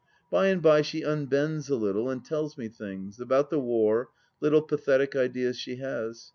... By and by she unbends a little and tells me things — about the war — little pathetic ideas she has.